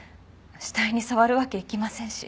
死体に触るわけいきませんし。